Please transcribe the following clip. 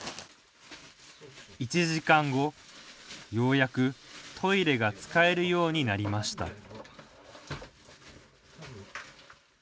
１時間後、ようやくトイレが使えるようになりました